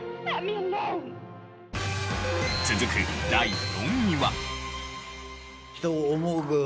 続く第４位は。